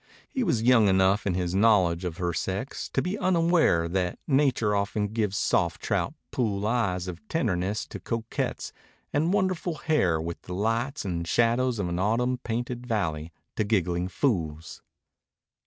He was young enough in his knowledge of her sex to be unaware that nature often gives soft trout pool eyes of tenderness to coquettes and wonderful hair with the lights and shadows of an autumn painted valley to giggling fools.